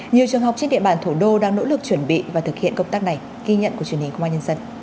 nhiều trường học trên địa bàn thổ đô đang nỗ lực chuẩn bị và thực hiện công tác này